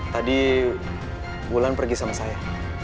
tadi bulan pergi sama saya